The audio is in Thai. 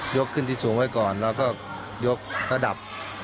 ขึ้นที่สูงไว้ก่อนแล้วก็ยกระดับ